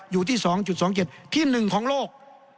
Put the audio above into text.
อยู่ที่๒๒๗ที่๑ของโลก